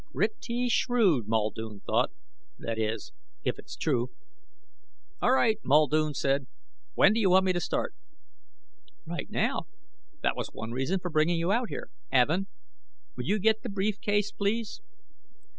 Pretty shrewd, Muldoon thought. That is if it's true. "All right," Muldoon said. "When do you want me to start?" "Right now. That was one reason for bringing you out here. Evin, will you get the brief case, please?"